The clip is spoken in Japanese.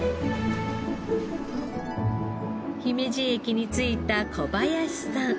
姫路駅に着いた小林さん。